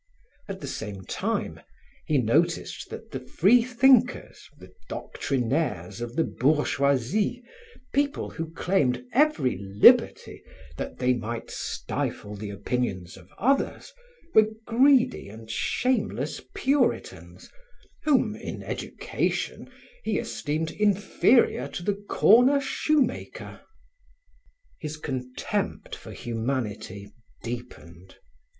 At the same time, he noticed that the free thinkers, the doctrinaires of the bourgeoisie, people who claimed every liberty that they might stifle the opinions of others, were greedy and shameless puritans whom, in education, he esteemed inferior to the corner shoemaker. His contempt for humanity deepened.